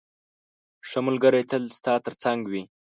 ښه ملګری تل ستا تر څنګ وي.